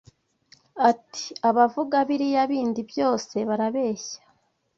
Ati “Abavuga biriya bindi byose barabeshya